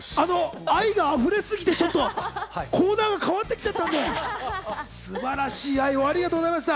愛が溢れすぎててコーナーが変わってきちゃったんで、素晴らしい愛をありがとうございます。